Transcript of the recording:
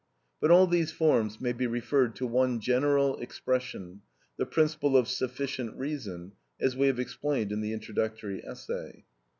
But all these forms may be referred to one general expression, the principle of sufficient reason, as we have explained in the introductory essay.